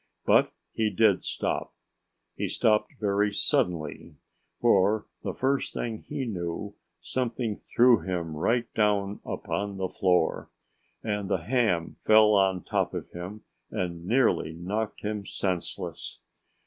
But he did stop. He stopped very suddenly. For the first thing he knew, something threw him right down upon the floor. And the ham fell on top of him and nearly knocked him senseless.